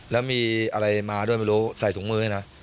แล้วมีอะไรมาด้วยไม่รู้ใส่ถุงมือให้นะ